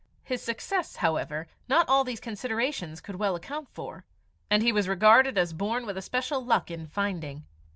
His success, however, not all these considerations could well account for, and he was regarded as born with a special luck in finding.